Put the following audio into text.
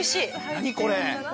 ◆何これ。